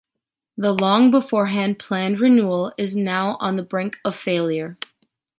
The long beforehand planned renewal is now on the brink of failure.